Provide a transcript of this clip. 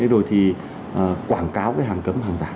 rồi thì quảng cáo hàng cấm hàng giả